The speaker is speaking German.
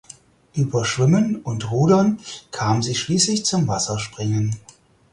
Über Schwimmen und Rudern kam sie schließlich zum Wasserspringen.